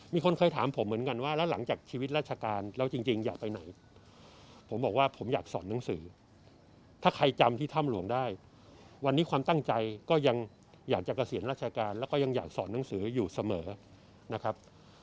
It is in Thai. มีคนเคยถามผมเหมือนกันว่าแล้วหลังจากชีวิตราชการแล้วจริงอยากไปไหนผมบอกว่าผมอยากสอนหนังสือถ้าใครจำที่ถ้ำหลวงได้วันนี้ความตั้งใจก็ยังอยากจะเกษียณราชการแล้วก็ยังอยากสอนหนังสืออยู่เสมอนะครับ